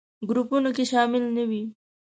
ګروپونو کې شامل نه وي.